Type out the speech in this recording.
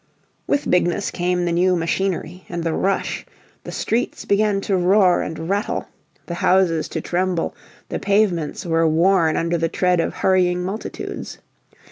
With Bigness came the new machinery and the rush; the streets began to roar and rattle, the houses to tremble; the pavements were worn under the tread of hurrying multitudes.